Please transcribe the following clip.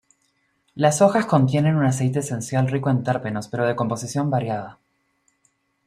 Las hojas contienen un aceite esencial rico en terpenos pero de composición variada.